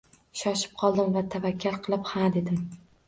Shoshib qoldim va tavakkal qilib Ha, dedim